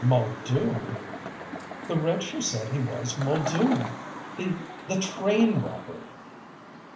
"Muldoon!" "The wretch who said he was Muldoon. The the train robber."